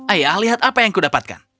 ayah lihat apa yang kudapatkan